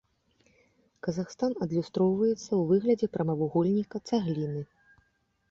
Казахстан адлюстроўваецца ў выглядзе прамавугольніка-цагліны.